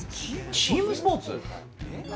チームスポーツです。